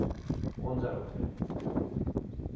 オンザロックで。